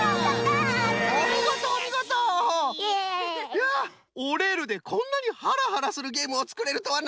いや「おれる」でこんなにハラハラするゲームをつくれるとはな。